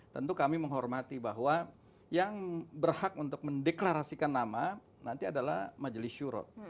tentu kami menghormati bahwa yang berhak untuk mendeklarasikan nama nanti adalah majelis syuro